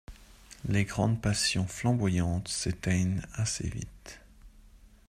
Les grandes passions flamboyantes s'éteignent assez vite.